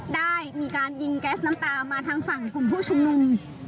ได้มีการยิงแก๊สน้ำตามาทางฝั่งกลุ่มผู้ชุมนุม